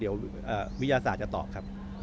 เดี๋ยววิทยาศาสตร์จะตอบครับ